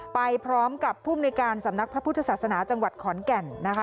ไปพร้อมกับภูมิในการสำนักพระพุทธศาสนาจังหวัดขอนแก่นนะคะ